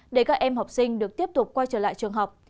để các em học sinh được tiếp tục quay trở lại trường học